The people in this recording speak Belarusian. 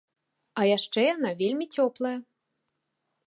А яшчэ яна вельмі цёплая.